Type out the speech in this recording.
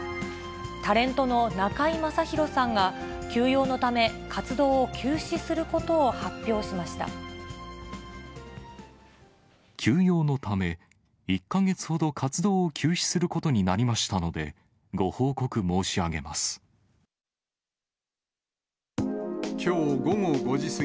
タレントの中居正広さんが、休養のため、活動を休止すること休養のため、１か月ほど活動を休止することになりましたので、ご報告申し上げます。